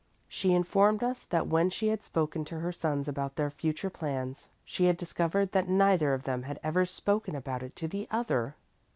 She informed us that when she had spoken to her sons about their future plans, she had discovered that neither of them had ever spoken about it to the other.